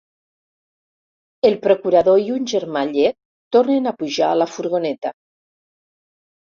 El procurador i un germà llec tornen a pujar a la furgoneta.